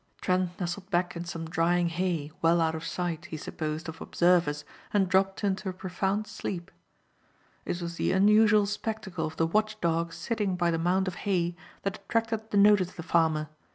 Trent nestled back in some drying hay, well out of sight, he supposed, of observers and dropped into a profound sleep. It was the unusual spectacle of the watch dog sitting by the mound of hay that attracted the notice of the farmer.